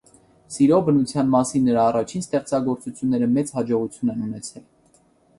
Սիրո, բնության մասին նրա առաջին ստեղծագործությունները մեծ հաջողություն են ունեցել։